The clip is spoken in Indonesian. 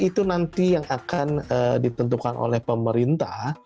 itu nanti yang akan ditentukan oleh pemerintah